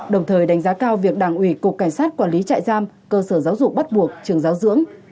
đồng thời đánh giá cao việc đảng ủy cục cảnh sát quản lý trại giam cơ sở giáo dục bắt buộc trường giáo dưỡng